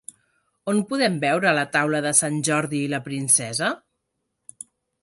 On podem veure la taula de Sant Jordi i la princesa?